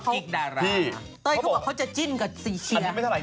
พวกอีกดาราพี่เต้ยเขาบอกว่าเขาจะจิ้นกับสี่เชียร์อันนี้ไม่เท่าไร